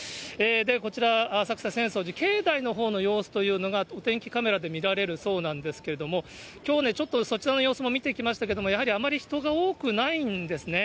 こちら、浅草・浅草寺、境内のほうの様子というのが、お天気カメラで見られるそうなんですけれども、きょうね、ちょっとそちらの様子も見てきましたけども、あまり人が多くないんですね。